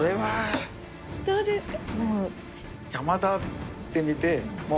どうですか？